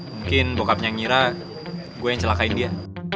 mungkin bokapnya yang ngira gua yang celakain dia